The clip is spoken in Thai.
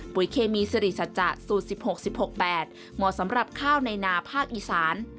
เคมีสิริสัจจะสูตร๑๖๑๖๘เหมาะสำหรับข้าวในนาภาคอีสาน